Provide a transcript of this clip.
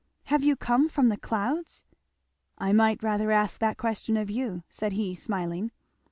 "Have you come from the clouds?" "I might rather ask that question of you," said he smiling.